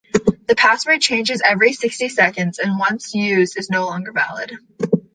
The password changes every sixty seconds and once used is no longer valid.